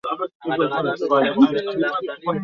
Na baadae Rais wa nchi hiyo kuanzia mwaka wa